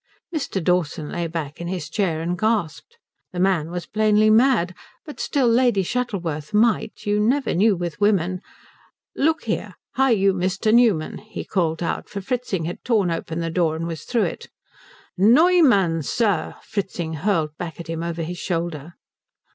Mr. Dawson lay back in his chair and gasped. The man was plainly mad; but still Lady Shuttleworth might you never know with women "Look here hie, you! Mr. Newman!" he called, for Fritzing had torn open the door and was through it. "_Neu_mann, sir," Fritzing hurled back at him over his shoulder.